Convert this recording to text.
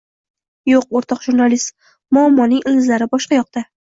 Yo`q, o`rtoq jurnalist, muammoning ildizlari boshqa yoqda